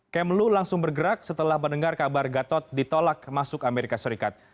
kemlu langsung bergerak setelah mendengar kabar gatot ditolak masuk amerika serikat